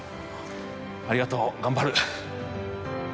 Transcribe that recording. ありがとう頑張る。